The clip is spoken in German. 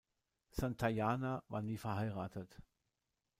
Santayana war nie verheiratet.